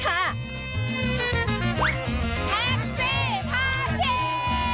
แท็กซี่พาชี